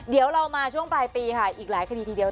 เดี๋ยวเรามาช่วงปลายปีค่ะอีกหลายคดีทีเดียว